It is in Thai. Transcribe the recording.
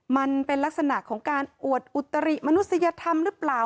มันเป็นลักษณะของการอวดอุตริมนุษยธรรมหรือเปล่า